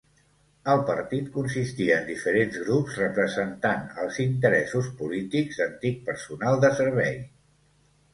El partit consistia en diferents grups representant els interessos polítics d'antic personal de servei.